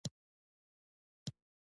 الماري له انسان سره د ژوند سفر کوي